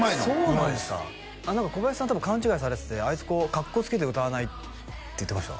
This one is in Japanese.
うまいです小林さん多分勘違いされててあいつかっこつけて歌わないって言ってました